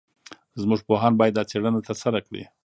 زموږ پوهان باید دا څېړنه ترسره کړي.